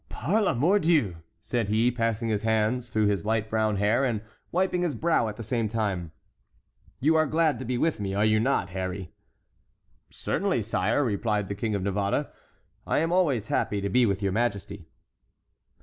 "Par la mordieu!" said he, passing his hands through his light brown hair, and wiping his brow at the same time, "you are glad to be with me, are you not, Harry?" "Certainly, sire," replied the King of Navarre, "I am always happy to be with your Majesty."